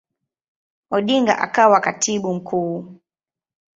Odinga akawa Katibu Mkuu.